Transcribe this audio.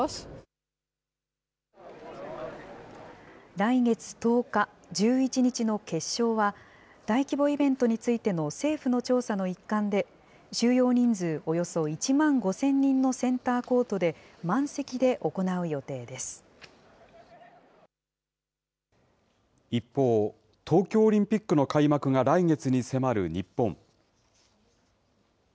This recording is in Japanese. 来月１０日、１１日の決勝は、大規模イベントについての政府の調査の一環で、収容人数およそ１万５０００人のセンターコートで、満席で行う予一方、東京オリンピックの開幕が来月に迫る日本。